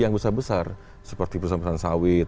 yang besar besar seperti perusahaan perusahaan sawit